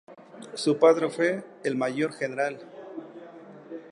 Su padre fue el Mayor Gral.